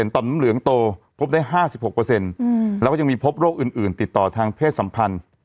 ต่อมน้ำเหลืองโตพบได้๕๖แล้วก็ยังมีพบโรคอื่นติดต่อทางเพศสัมพันธ์